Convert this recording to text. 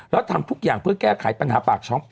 แล้วทำทุกอย่างเพื่อแก้ไขปัญหาปากช่อง